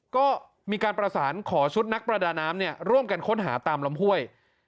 ก็มีการประสานขอชุดนักประดาน้ำร่วมกันค้นหาตามลำห้วย